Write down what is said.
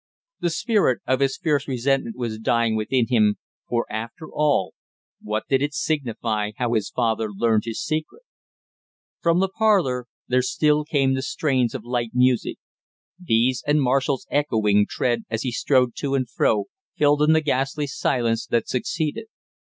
The spirit of his fierce resentment was dying within him, for, after all, what did it signify how his father learned his secret! From the parlor there still came the strains of light music; these and Marshall's echoing tread as he strode to and fro, filled in the ghastly silence that succeeded.